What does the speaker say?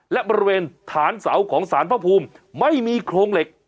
และบริเวณฐานเสาของสารพระภูมิไม่มีโครงเหล็ก